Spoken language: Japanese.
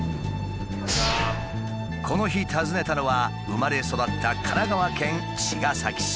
この日訪ねたのは生まれ育った神奈川県茅ヶ崎市。